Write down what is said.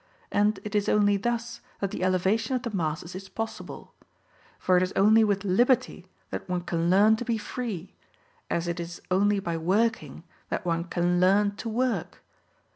And it is only thus that the elevation of the masses is possible; for it is only with liberty that one can learn to be free, as it is only by working that one can learn to work.